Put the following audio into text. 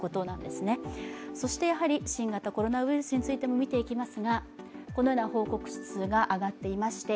そして、新型コロナウイルスについても見ていきます。